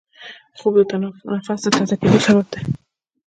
خوب د نفس د تازه کېدو سبب دی